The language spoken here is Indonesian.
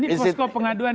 ini posko pengaduan